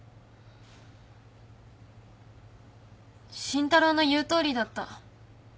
慎太郎の言うとおりだった。